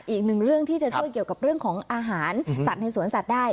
อีกหนึ่งเรื่องที่จะช่วยเกี่ยวกับเรื่องของอาหารสัตว์ในสวนสัตว์ได้